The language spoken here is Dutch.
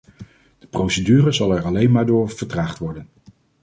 De procedure zal er alleen maar door vertraagd worden.